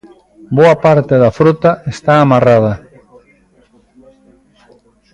Boa parte da frota está amarrada.